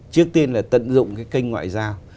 trước tiên là tận dụng cái kênh ngoại giao